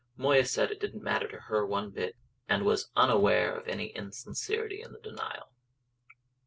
Moya said that it didn't matter to her one bit; and was unaware of any insincerity in the denial.